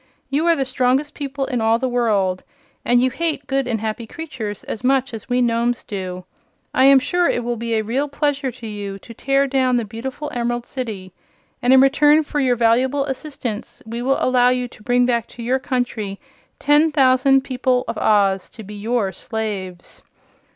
You are the strongest people in all the world, and you hate good and happy creatures as much as we Nomes do. I am sure it will be a real pleasure to you to tear down the beautiful Emerald City, and in return for your valuable assistance we will allow you to bring back to your country ten thousand people of Oz, to be your slaves."